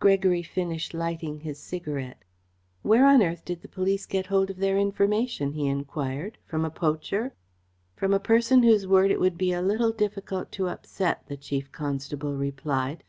Gregory finished lighting his cigarette. "Where on earth did the police get hold of their information?" he enquired. "From a poacher?" "From a person whose word it would be a little difficult to upset," the Chief Constable replied.